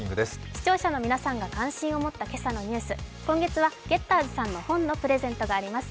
視聴者の皆さんが関心を持った今朝のニュース、今月はゲッターズさんの本のプレゼントがあります。